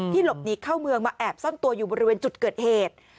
หลบหนีเข้าเมืองมาแอบซ่อนตัวอยู่บริเวณจุดเกิดเหตุ